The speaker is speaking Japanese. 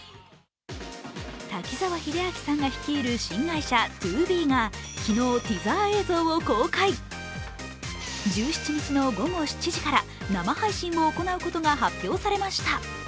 滝沢秀明さんが率いる新会社ＴＯＢＥが昨日、ティザー映像を公開、１７日の午後７時から生配信を行うことが発表されました。